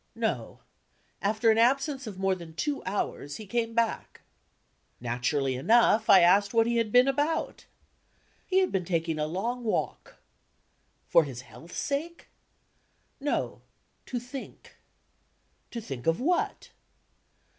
No. After an absence of more than two hours, he came back. Naturally enough, I asked what he had been about. He had been taking a long walk. For his health's sake? No: to think. To think of what?